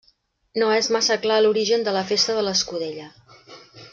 No és massa clar l'origen de la festa de l'escudella.